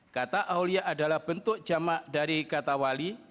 kata awliya adalah bentuk jama' dari kata wali